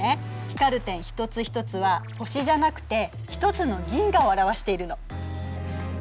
光る点一つ一つは星じゃなくて一つの銀河を表しているの。